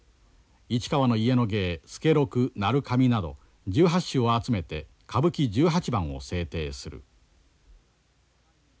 市川の家の芸「助六」「鳴神」など１８種を集めて歌舞伎十八番を制定する。